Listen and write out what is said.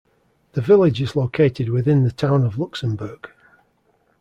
The village is located within the town of Luxemburg.